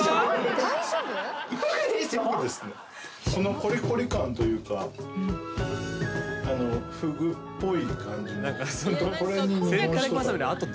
このコリコリ感というかあのフグっぽい感じも。